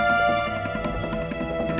yang menjaga keamanan bapak reno